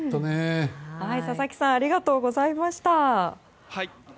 佐々木さんありがとうございました。